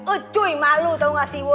eh cuy malu tau gak siwet